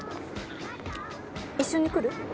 一緒に来る？